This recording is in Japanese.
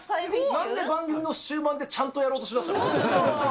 なんで番組の終盤でちゃんとやろうとするの。